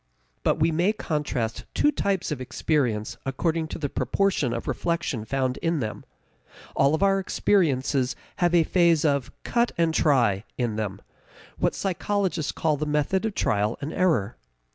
But we may contrast two types of experience according to the proportion of reflection found in them. All our experiences have a phase of "cut and try" in them what psychologists call the method of trial and error.